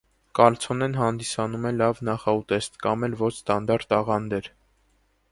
Կալցոնեն հանդիսանում է լավ նախուտեստ, կամ էլ ոչ ստանդարտ աղանդեր։